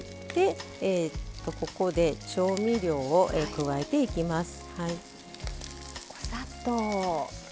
ここで調味料を加えていきます。